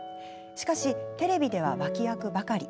しかし、テレビでは脇役ばかり。